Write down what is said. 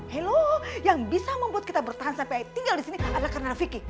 halo yang bisa membuat kita bertahan sampai tinggal disini adalah karena vicky